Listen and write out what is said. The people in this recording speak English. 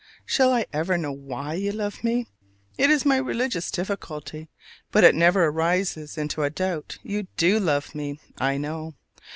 Shall I ever know why you love me? It is my religious difficulty; but it never rises into a doubt. You do love me, I know.